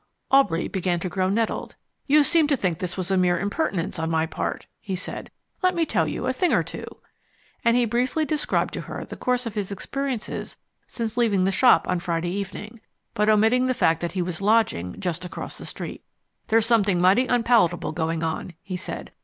Aubrey began to grow nettled. "You seem to think this was a mere impertinence on my part," he said. "Let me tell you a thing or two." And he briefly described to her the course of his experiences since leaving the shop on Friday evening, but omitting the fact that he was lodging just across the street. "There's something mighty unpalatable going on," he said.